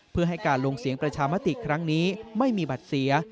เพื่อให้การลงเสียงประชามติครั้งนี้ไม่มีบัตรเสีย